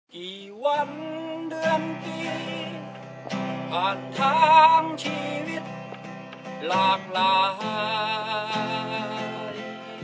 กี่วันเดือนกี่อาจทางชีวิตหลากหลาย